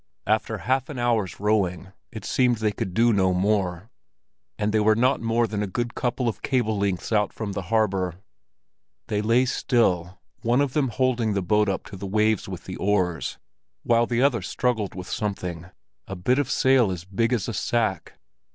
After half an hour's rowing, it seemed they could do no more; and they were not more than a couple of good cable lengths out from the harbor. They lay still, one of them holding the boat up to the waves with the oars, while the other struggled with something—a bit of sail as big as a sack.